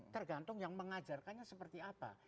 tergantung yang mengajarkannya seperti apa